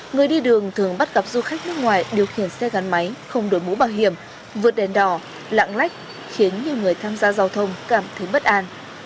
người đi đường thường bắt gặp du khách nước ngoài điều khiển xe gắn máy không đổi mũ bảo hiểm vượt đèn đỏ lạng lách khiến nhiều người tham gia giao thông cảm thấy bất an